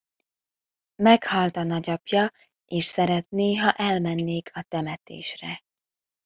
Meghalt a nagyapja, és szeretné, ha elmennék a temetésre.